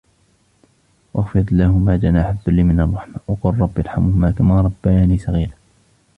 واخفض لهما جناح الذل من الرحمة وقل رب ارحمهما كما ربياني صغيرا